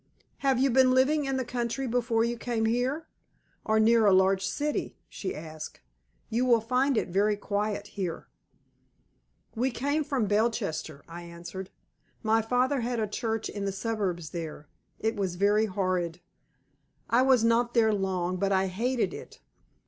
"Have you been living in the country before you came here, or near a large city?" she asked. "You will find it very quiet here!" "We came from Belchester," I answered. "My father had a church in the suburbs there. It was very horrid; I was not there long, but I hated it.